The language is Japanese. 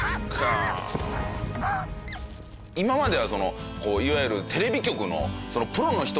今まではいわゆる。